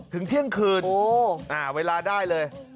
ถึงเมื่อไหร่